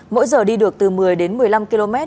mỗi giờ đi được từ một mươi đến một mươi năm km